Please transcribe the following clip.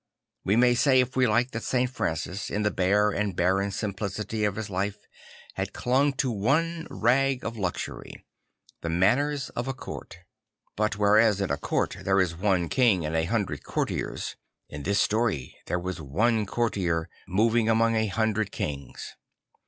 We may say if we like that St. Francis, in the bare and barren simplicity of his life, had clung to one rag of luxury; the manners of a court. But whereas in a court there is one king and a hundred courtiers, in this story there was one courtier, moving among a hundred kings.